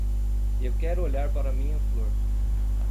Eu quero olhar para a minha flor.